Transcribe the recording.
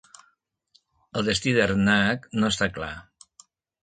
El destí d'Ernak no està clar.